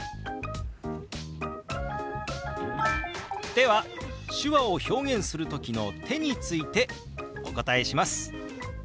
では手話を表現する時の「手」についてお答えします。